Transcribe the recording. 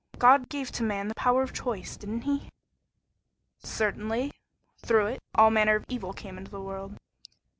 God gave to man the power of choice, didn't he?" "Certainly. Through it all manner of evil came into the world."